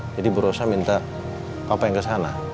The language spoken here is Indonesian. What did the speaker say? jadi bu roso minta papa yang ke sana